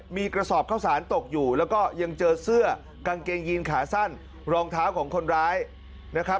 มีกระสอบข้าวสารตกอยู่แล้วก็ยังเจอเสื้อกางเกงยีนขาสั้นรองเท้าของคนร้ายนะครับ